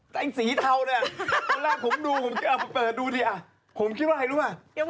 ตอนแรกผมดูดูดิอ่ะผมคิดว่าอะไรดูอ่ะ